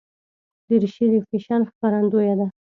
دریشي د فیشن ښکارندویه ده.